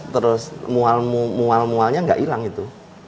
terus mual mualnya nggak hilang itu